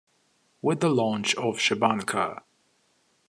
With the launch of Che Banca!